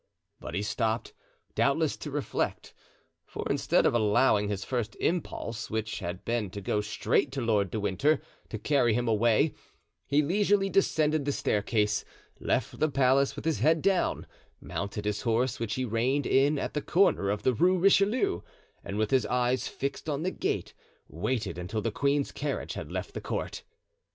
But he stopped, doubtless to reflect; for instead of allowing his first impulse, which had been to go straight to Lord de Winter, to carry him away, he leisurely descended the staircase, left the palace with his head down, mounted his horse, which he reined in at the corner of the Rue Richelieu, and with his eyes fixed on the gate, waited until the queen's carriage had left the court.